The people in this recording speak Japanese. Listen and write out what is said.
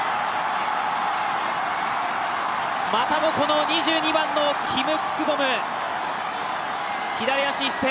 またもこの２２番のキム・ククボム、左足一閃。